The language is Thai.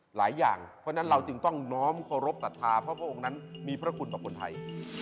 หลายอย่างเพราะฉะนั้นเราจึงต้องน้อมเคารพสัทธาเพราะพระองค์นั้นมีพระคุณต่อคนไทย